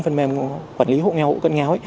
phần mềm quản lý hộ nghèo hộ cận nghèo